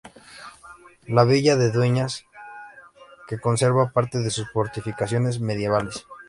La villa de Dueñas que conserva parte de sus fortificaciones medievales.